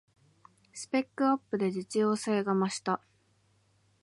スペックアップで実用性が増した